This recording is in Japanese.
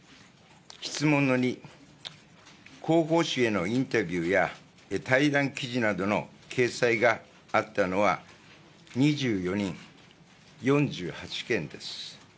質問の２、広報誌へのインタビューや対談記事などの掲載があったのは、２４人、４８件です。